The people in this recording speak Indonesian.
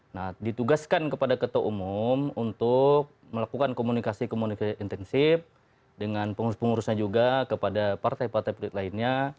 nah ditugaskan kepada ketua umum untuk melakukan komunikasi komunikasi intensif dengan pengurus pengurusnya juga kepada partai partai lainnya